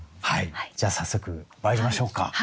じゃあ早速まいりましょうか。